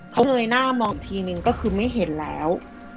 เขาเงยหน้ามองอีกทีนึงก็คือไม่เห็นแล้ว